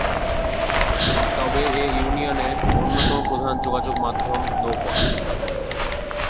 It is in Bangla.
তবে এ ইউনিয়নের অন্যতম প্রধান যোগাযোগ মাধ্যম নৌপথ।